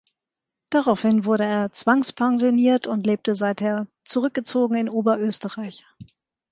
Daraufhin wurde er zwangspensioniert und lebte seither zurückgezogen in Oberösterreich.